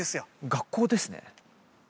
学校です